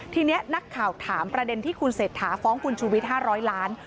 ทีนี้นักข่าวถามประเด็นที่คุณเศรษฐาฟ้องคุณชูวิท๕๐๐ล้าน